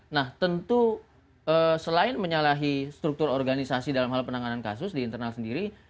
nah tentu selain menyalahi struktur organisasi dalam hal penanganan kasus di internal sendiri